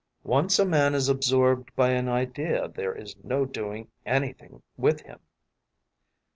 Once a man is absorbed by an idea there is no doing anything with him.